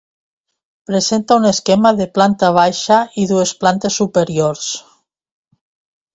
Presenta un esquema de planta baixa i dues plantes superiors.